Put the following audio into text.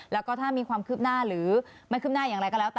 แล้วก็ถ้ามีความคืบหน้าหรือไม่คืบหน้าอย่างไรก็แล้วแต่